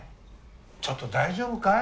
ちょっと大丈夫かい？